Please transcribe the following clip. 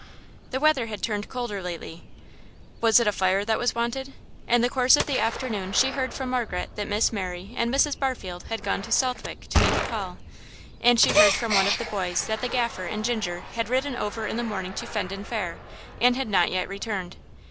The weather had turned colder lately.... Was it a fire that was wanted? In the course of the afternoon, she heard from Margaret that Miss Mary and Mrs. Barfield had gone to Southwick to make a call, and she heard from one of the boys that the Gaffer and Ginger had ridden over in the morning to Fendon Fair, and had not yet returned.